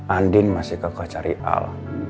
andin masih kekecari al